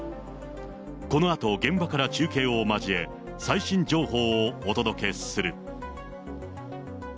このあと、現場から中継を交え、最新情報をお届けする。